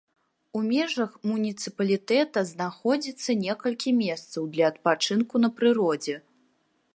У межах муніцыпалітэта знаходзіцца некалькі месцаў для адпачынку на прыродзе.